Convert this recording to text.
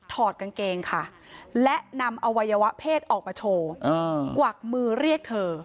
กางเกงค่ะและนำอวัยวะเพศออกมาโชว์กวักมือเรียกเธอ